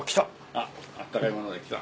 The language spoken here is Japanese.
あったかいもので来た。